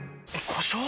故障？